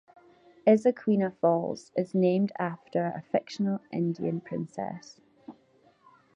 Isaqueena Falls is named after a fictional Indian Princess.